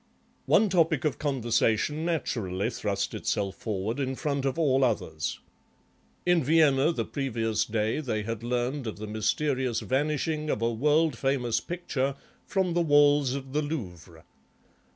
One topic of conversation naturally thrust itself forward in front of all others. In Vienna the previous day they had learned of the mysterious vanishing of a world famous picture from the walls of the Louvre.